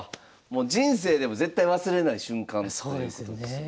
人生でも絶対忘れない瞬間ということですよね。